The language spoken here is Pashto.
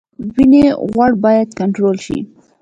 وینې غوړ باید کنټرول شي